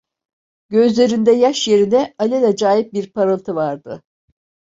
Gözlerinde yaş yerine alelacayip bir parıltı vardı.